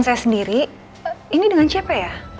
saya sendiri ini dengan cp ya